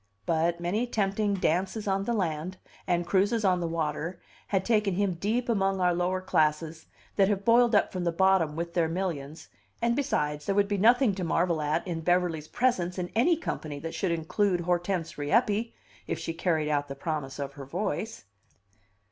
But many tempting dances on the land, and cruises on the water, had taken him deep among our lower classes that have boiled up from the bottom with their millions and besides, there would be nothing to marvel at in Beverly's presence in any company that should include Hortense Rieppe, if she carried out the promise of her voice.